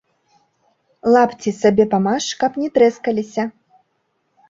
Лапці сабе памаж, каб не трэскаліся.